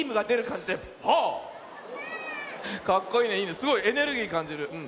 すごいエネルギーかんじる。